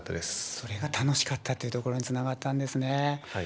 それが楽しかったというところにつながったんですね。